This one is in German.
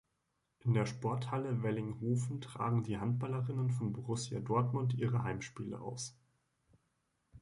In der Sporthalle Wellinghofen tragen die Handballerinnen von Borussia Dortmund ihre Heimspiele aus.